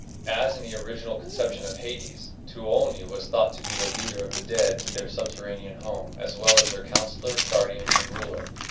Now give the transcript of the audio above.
As in the original conception of Hades, Tuoni was thought to be the leader of the dead to their subterranean home, as well as their counsellor, guardian, and ruler.